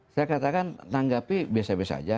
saya katakan tanggapi biasa biasa saja